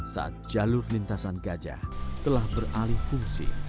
saat jalur lintasan gajah telah beralih fungsi